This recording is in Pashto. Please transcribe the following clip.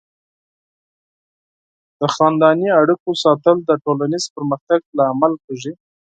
د خاندنۍ اړیکو ساتل د ټولنیز پرمختګ لامل کیږي.